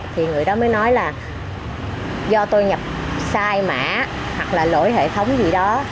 thì người đó mới nói là do tôi nhập sai mã hoặc là lỗi hệ thống gì đó